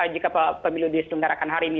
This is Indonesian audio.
jika pemilu di sdn hari ini apa yang akan terjadi